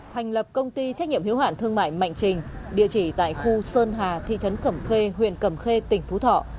thành lập công ty trách nhiệm hiếu hạn thương mại mạnh trình địa chỉ tại khu sơn hà thị trấn cẩm khê huyện cẩm khê tỉnh phú thọ